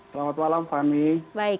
selamat malam fani